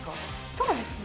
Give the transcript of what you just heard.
そうですね。